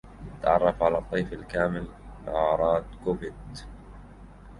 تعرّف على الطيف الكامل لأعراض كوفيد-